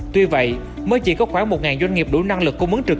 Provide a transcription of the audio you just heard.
tuy vậy mới chỉ có khoảng một doanh nghiệp đủ năng lực cung ứng trực